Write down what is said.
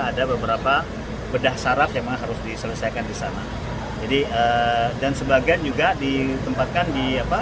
ada beberapa bedah syarat memang harus diselesaikan di sana jadi dan sebagian juga ditempatkan di apa